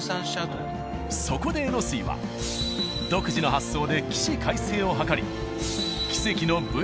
そこでえのすいは独自の発想で起死回生を図り。